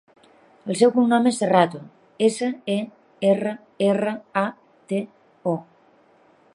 El seu cognom és Serrato: essa, e, erra, erra, a, te, o.